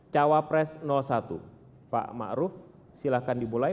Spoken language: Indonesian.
cawapres satu pak ma'ruf silahkan dimulai